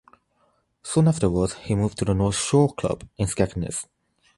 Soon afterwards he moved to the North Shore club in Skegness.